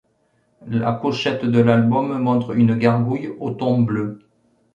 La pochette de l'album montre une gargouille au ton bleu.